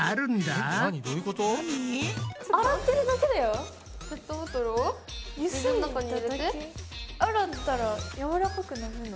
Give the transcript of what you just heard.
洗ったらやわらかくなるの？